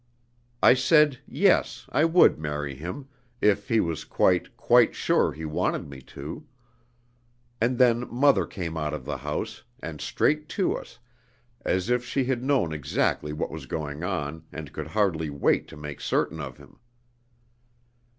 I said yes, I would marry him, if he was quite, quite sure he wanted me to; and then mother came out of the house, and straight to us, as if she had known exactly what was going on and could hardly wait to make certain of him.